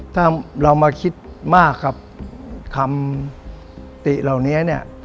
ถ้าเรามาคิดมากครับคำติเหล่านี้เนี่ย